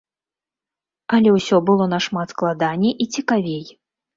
Але ўсё было нашмат складаней і цікавей.